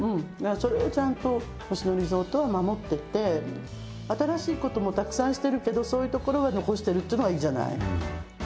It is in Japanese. それをちゃんと星野リゾートは守ってて新しいこともたくさんしてるけどそういうところは残してるっていうのはいいじゃない。